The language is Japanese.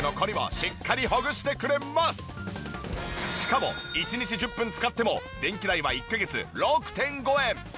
しかも１日１０分使っても電気代は１カ月６．５円。